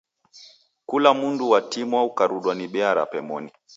Kula mundu watimwa ukarudwa ni bea rape moni.